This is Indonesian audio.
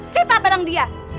sipa bareng dia